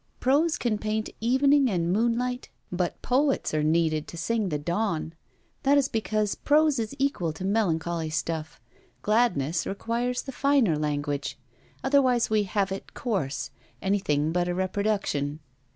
Prose can paint evening and moonlight, but poets are needed to sing the dawn. That is because prose is equal to melancholy stuff. Gladness requires the finer language. Otherwise we have it coarse anything but a reproduction.